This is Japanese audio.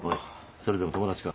それでも友達か？